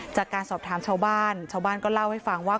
จากการสอบถามชาวบ้านชาวบ้านก็เล่าให้ฟังว่า